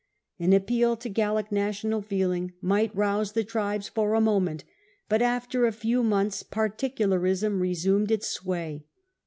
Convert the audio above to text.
An appeal to Gallic national feeling might rouse the tribes for a moment, but after a few months particularism resumed its sway.